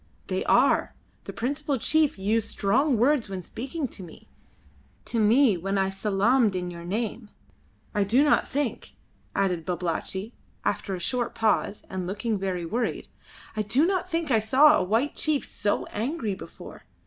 "They are. The principal chief used strong words when speaking to me to me when I salaamed in your name. I do not think," added Babalatchi, after a short pause and looking very worried "I do not think I saw a white chief so angry before.